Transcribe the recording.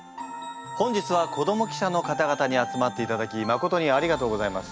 本日は子ども記者の方々に集まっていただきまことにありがとうございます。